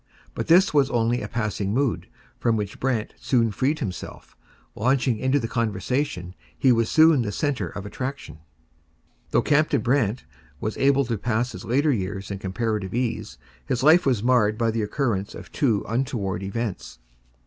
But this was only a passing mood, from which Brant soon freed himself. Launching into the conversation, he was soon the centre of attraction. Though Captain Brant was able to pass his later years in comparative ease, his life was marred by the occurrence of two untoward events.